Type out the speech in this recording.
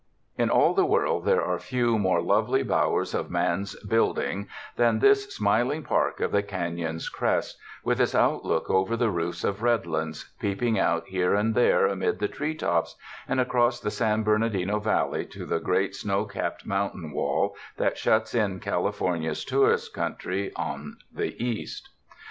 In all the world there are few more lovely bow ers of man's building than this smiling park of the Canon's Crest, with its outlook over the roofs of Eedlands, peeping out here and there amid the tree tops, and across the San Bernardino Valley to the great snow capped mountain wall that shuts in Cal ifornia's tourist country on the east.